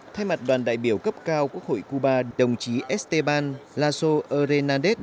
thay mặt đoàn đại biểu cấp cao quốc hội cuba đồng chí esteban lazo hernández